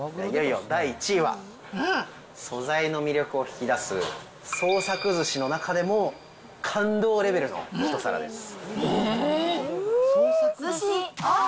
いよいよ第１位は、素材の魅力を引き出す、創作ずしの中でも感動レベルの一皿です。